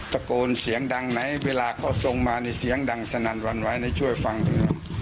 ตะโกนเสียงดังไหนเวลาเขาทรงมานี่เสียงดังสนั่นวันไหวไหนช่วยฟังเถอะ